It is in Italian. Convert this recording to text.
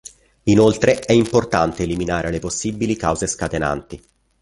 Inoltre, è importante eliminare le possibili cause scatenanti.